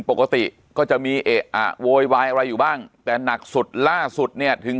ปกติก็จะมีเอะอะโวยวายอะไรอยู่บ้างแต่หนักสุดล่าสุดเนี่ยถึง